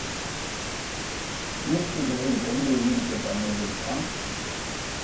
Noiztik egiten du ibilketa nordikoa?